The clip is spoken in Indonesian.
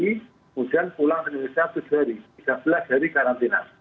kemudian pulang ke indonesia tujuh hari tiga belas hari karantina